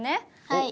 はい。